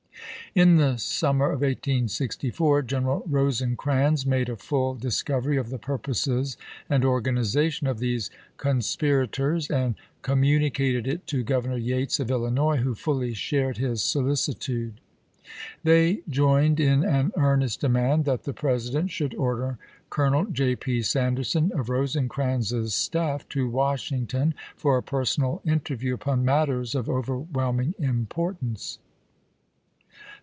In the summer of 1864 General Rosecrans made a full discovery of the purposes and organization of these conspirators, and communicated it to Grov ernor Yates of Illinois, who fully shared his solici tude. They joined in an earnest demand that the President should order Colonel J. P. Sanderson, of Eosecrans's staff, to Washington for a personal inter view upon matters of overwhelming importance.